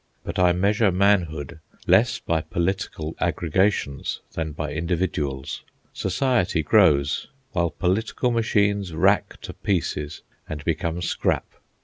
But I measure manhood less by political aggregations than by individuals. Society grows, while political machines rack to pieces and become "scrap."